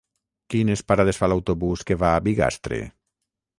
Quines parades fa l'autobús que va a Bigastre?